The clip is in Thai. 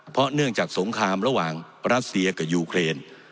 เพราะเนื่องจากสงครามระหว่างรัสเซียกับยูเครน